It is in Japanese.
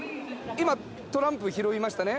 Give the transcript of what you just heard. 今トランプ拾いましたね？